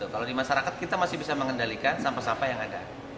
kalau di masyarakat kita masih bisa mengendalikan sampah sampah yang ada